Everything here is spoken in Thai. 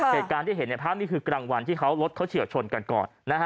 เหตุการณ์ที่เห็นในภาพนี้คือกลางวันที่เขารถเขาเฉียวชนกันก่อนนะฮะ